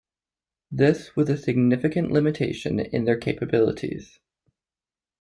This was a significant limitation in their capabilities.